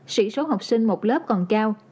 sỉ số học sinh một lớp còn cao